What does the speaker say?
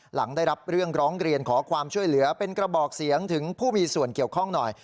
หลังได้รับเรื่องร้องเรียนขอความช่วยเหลือเป็นกระบอกเสียงถึงผู้มีส่วนเกี่ยวข้องหน่อย